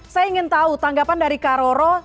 saya ingin tahu tanggapan dari karoro